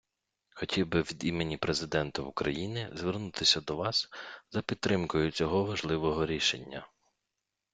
Хотів би від імені Президента України звернутися до вас за підтримкою цього важливого рішення.